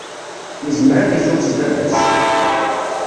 Yezmer ad izuxx s baba-s.